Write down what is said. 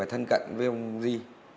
thân cận với ông di